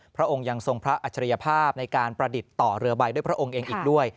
พระองค์ยังทรงพระอัจฉริยภาพในการประดิษฐ์ต่อเรือใบด้วยพระองค์เองอีกด้วย